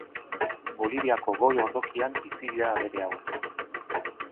Boliviako goi-ordokian bizi dira abere hauek.